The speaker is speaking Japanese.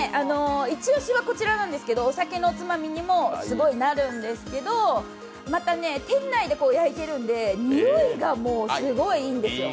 イチ押しはこちらなんですけど、お酒のおつまみにもなるんですけどまたね、店内で焼いてるので匂いがすごくいいんですよ。